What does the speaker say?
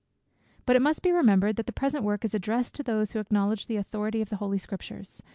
But it must be remembered, that the present work is addressed to those who acknowledge the authority of the holy Scriptures.